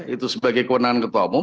itu sebagai kewenangan ketua umum